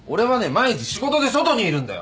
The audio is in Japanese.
毎日仕事で外にいるんだよ。